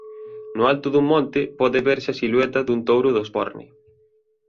No alto dun monte pode verse a silueta dun Touro de Osborne.